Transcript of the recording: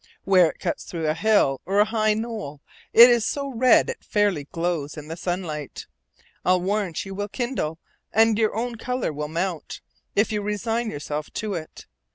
Where it cuts through a hill or high knoll, it is so red it fairly glows in the sunlight. I'll warrant you will kindle, and your own color will mount, if you resign yourself to it.